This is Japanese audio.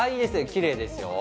きれいですよ